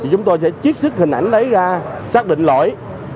chúng tôi sẽ chiếc sức hình ảnh lấy ra xác định lỗi